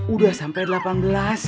udah sampe delapan belas